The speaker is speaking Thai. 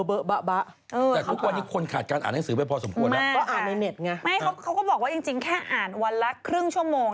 คั่วก็บอกว่าจริงเขาก็อ่านวันละครึ่งชั่วโมง